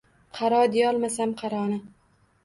Qaro deyolmasam qaroni